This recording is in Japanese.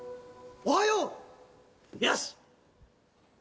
おはよう！よしっ。